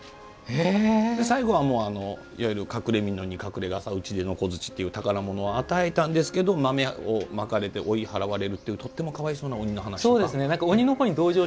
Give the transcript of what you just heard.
最後は、隠れみのと打ち出の小づちっていう宝物を与えたんですけど豆をまかれて追い払われるというとてもかわいそうな鬼の話とか。